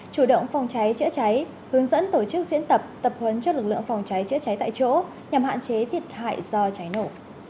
chủ động phòng cháy chữa cháy hướng dẫn tổ chức diễn tập tập huấn cho lực lượng phòng cháy chữa cháy tại chỗ nhằm hạn chế thiệt hại do cháy nổ